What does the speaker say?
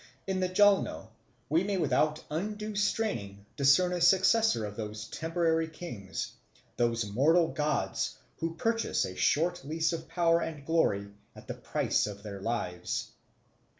In the Jalno we may without undue straining discern a successor of those temporary kings, those mortal gods, who purchase a short lease of power and glory at the price of their lives.